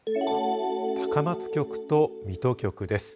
高松局と水戸局です。